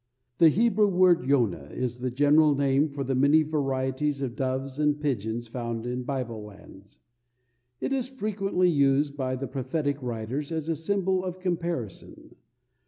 The Hebrew word "yonah" is the general name for the many varieties of doves and pigeons found in Bible lands. It is frequently used by the prophetic writers as a symbol of comparison.